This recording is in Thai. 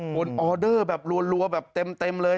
ออเดอร์แบบรัวแบบเต็มเลย